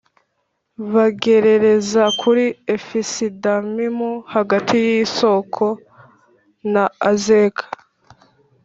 bagerereza kuri Efesidamimu hagati y’i Soko na Azeka.